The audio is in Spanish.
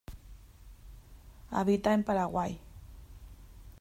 Habita en Paraguay.